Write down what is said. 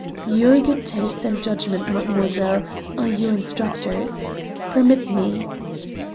"Your good taste and judgment, mademoiselle, are your instructors. Permit me."